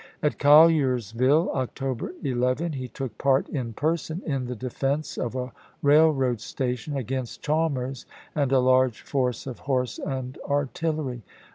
At Colliersville (October 11) he took part in person in the defense of a railroad station, against Chalmers and a large force of horse and artillery.